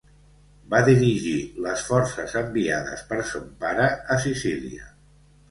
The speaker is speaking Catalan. Va dirigir les forces enviades per son pare a Sicília.